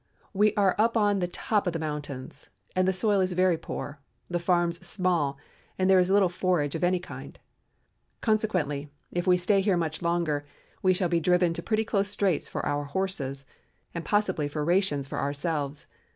We are up on the top of the mountains, and the soil is very poor, the farms small, and there is little forage of any kind; consequently, if we stay here much longer we shall be driven to pretty close straits for our horses and possibly for rations for ourselves.